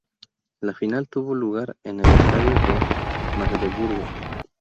La final tuvo lugar en el estadio de Magdeburgo.